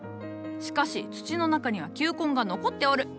しかし土の中には球根が残っておる。